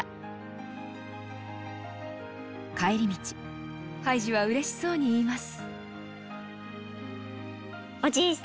帰り道ハイジはうれしそうに言います。